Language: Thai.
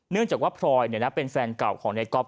เนื่องจากว่าพลอยเป็นแฟนเก่าของในก๊อฟ